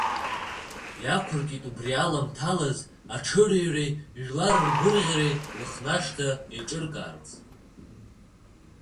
Иақәыркит убри аламҭалаз аҽырҩреи жәлар ргәырӷьареи Лыхнашҭа еиҿыркаарц.